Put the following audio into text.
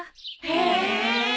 へえ。